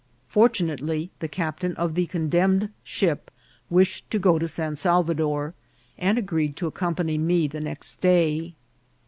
Fortunately, the captain of the condemned ship wished to go to San Salvador, and agreed to accompany me the next day.